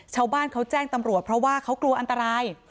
ชาวบ้านเขาแจ้งตำรวจเพราะว่าเขากลัวอันตราย